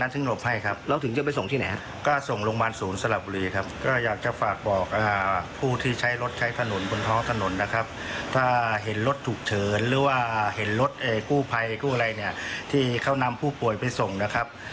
ถ้าเห็นรถฉุกเฉินหรือว่าเห็นรถกู้ภัยกู้อะไรเนี่ยที่เขานำผู้ป่วยไปส่งนะครับ